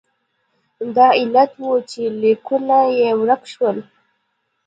دا علت و چې لیکونه یې ورک شول.